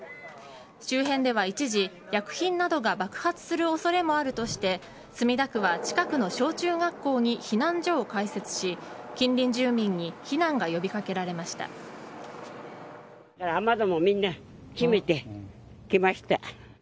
周辺では一時、薬品などが爆発する恐れもあるとして墨田区は近くの小中学校に避難所を開設し近隣住民に避難が呼び掛けられました。